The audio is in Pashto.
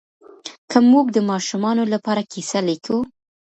که موږ د ماشومانو لپاره کیسه لیکو